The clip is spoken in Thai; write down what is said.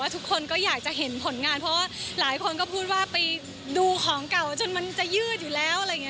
ทุกคนก็อยากจะเห็นผลงานเพราะว่าระหายคนก็พูดว่าไปดูของเก่าจนมันจะยืดอยู่แล้ว